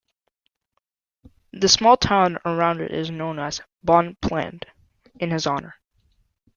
The small town around it is now known as "Bonpland" in his honor.